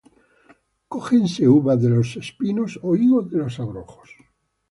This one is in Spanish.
¿Cógense uvas de los espinos, ó higos de los abrojos?